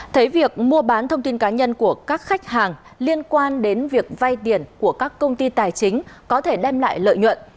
thấy việc mua bán thông tin cá nhân của các khách hàng liên quan đến việc vay tiền của các công ty tài chính có thể đem lại lợi nhuận